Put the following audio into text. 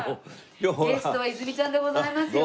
ゲストは泉ちゃんでございますよ。